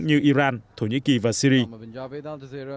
như iran thổ nhĩ kỳ và syria